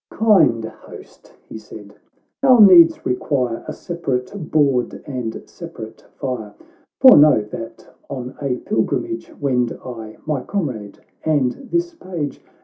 " Kind host," he said, " our needs require A separate board and separate fire ; For know, that on a pilgrimage "Wend I, my comrade, and this page.